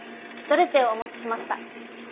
ドルチェをお持ちしました。